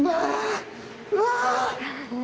うわ。